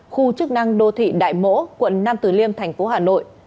khu chức năng đô thị đại mỗ quận nam tử liêm tp hà nội